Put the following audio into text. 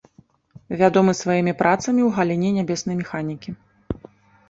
Вядомы сваімі працамі ў галіне нябеснай механікі.